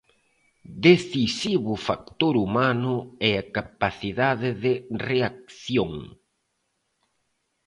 Decisivo o factor humano e a capacidade de reacción.